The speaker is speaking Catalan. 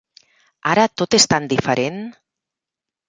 Ara tot és tan diferent!